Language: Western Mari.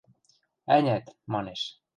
– Ӓнят, – манеш.